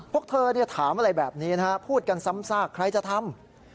พวกเธอถามอะไรแบบนี้นะฮะพูดกันซ้ำซากใครจะทำ